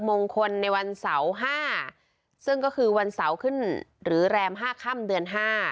มงคลในวันเสาร์ห้าซึ่งก็คือวันเสาร์ขึ้นหรือแรม๕ค่ำเดือนห้า